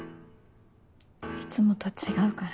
いつもと違うから。